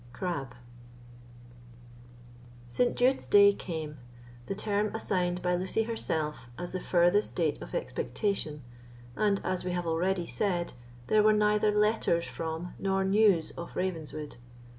CRABBE. St. jude's day came, the term assigned by Lucy herself as the furthest date of expectation, and, as we have already said, there were neither letters from nor news of Ravenswood.